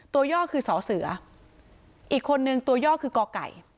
ย่อคือสอเสืออีกคนนึงตัวย่อคือกไก่